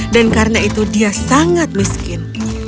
dan karena itu dia sangat miskin